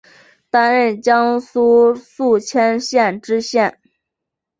担任江苏宿迁县知县。